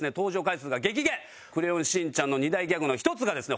『クレヨンしんちゃん』の２大ギャグの１つがですね